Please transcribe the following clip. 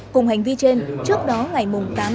cùng hành vi trên trước đó ngày mùng tám